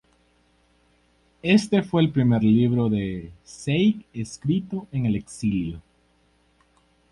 Este fue el primer libro de Zweig escrito en el exilio.